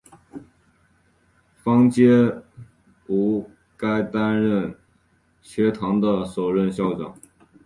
方解吾担任该学堂的首任校长。